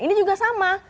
ini juga sama